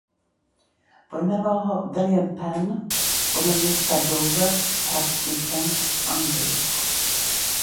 Pojmenoval ho William Penn podle města Dover v hrabství Kent v Anglii.